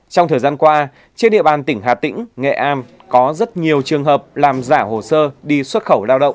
trong thời gian qua trên địa bàn tỉnh hà tĩnh nghệ an có rất nhiều trường hợp làm giả hồ sơ đi xuất khẩu lao động